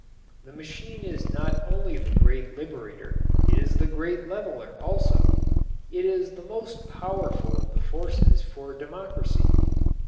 The Machine is not only the Great Liberator, it is the Great Leveler also. It is the most powerful of the forces for democracy.